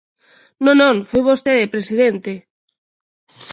Non, non foi vostede, presidente.